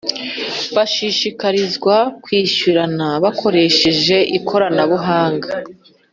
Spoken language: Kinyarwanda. bashishikarizwa kwishyurana bakoresheje ikorana buhanga